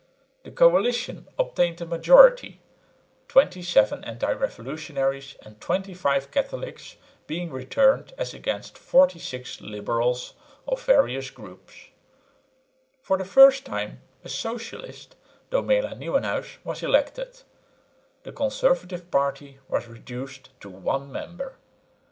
The coalition obtained a majority, 27 anti revolutionaries and 25 Catholics being returned as against 46 liberals of various groups. For the first time a socialist, Domela Nieuwenhuis, was elected. The conservative party was reduced to one member.